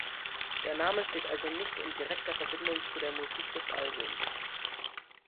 Der Name steht also nicht in direkter Verbindung zu der Musik des Albums.